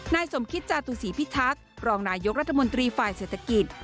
นายสมคิตจาตุศีพิทักษ์รองนายกรัฐมนตรีฝ่ายเศรษฐกิจ